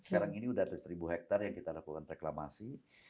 sekarang ini sudah ada seribu hektare yang kita lakukan reklamasi